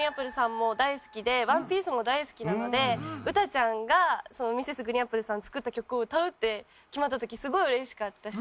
もう大好きで『ＯＮＥＰＩＥＣＥ』も大好きなのでウタちゃんがＭｒｓ．ＧＲＥＥＮＡＰＰＬＥさんが作った曲を歌うって決まった時すごい嬉しかったし。